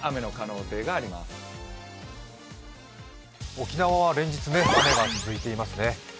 沖縄は連日、雨が続いていますね。